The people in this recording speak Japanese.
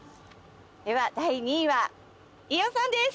では第２位は飯尾さんです！